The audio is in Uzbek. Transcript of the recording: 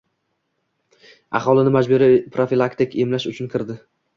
Aholini majburiy profilaktik emlash uchun kirdi.